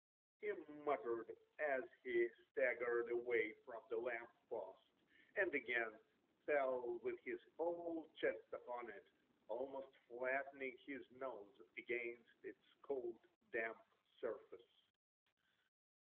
he muttered as he staggered away from the lamp post, and again fell with his whole chest upon it, almost flattening his nose against its cold damp surface.